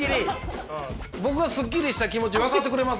僕がスッキリした気持ち分かってくれます？